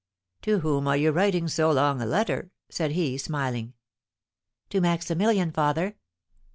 "To whom are you writing so long a letter?" said he, smiling. "To Maximilian, father."